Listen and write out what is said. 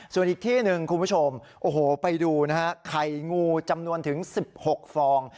ส่วนอีกที่หนึ่งคุณผู้ชมโอ้โหไปดูนะฮะไข่งูจำนวนถึง๑๖ฟอง